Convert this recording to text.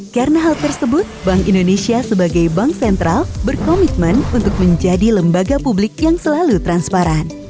karena hal tersebut bank indonesia sebagai bank sentral berkomitmen untuk menjadi lembaga publik yang selalu transparan